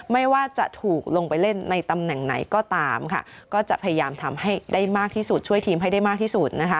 ไม่ว่าจะถูกลงไปเล่นในตำแหน่งไหนก็ตามก็จะพยายามช่วยทีมให้ได้มากที่สุด